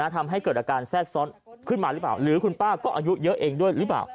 ทำให้เกิดอาการแทรกซ้อนขึ้นมาหรือเปล่าหรือคุณป้าก็อายุเยอะเองด้วยหรือเปล่า